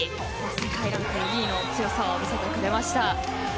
世界ランク２位の強さを見せてくれました。